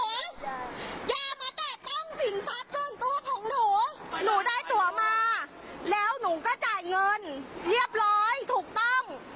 หนูได้ตัวมาแล้วหนูก็จ่ายเงินเรียบร้อยถูกต้อง